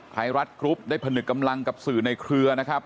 ไทยรัฐกรุ๊ปได้ผนึกกำลังกับสื่อในเครือนะครับ